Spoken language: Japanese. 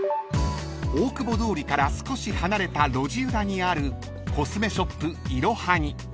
［大久保通りから少し離れた路地裏にあるコスメショップ］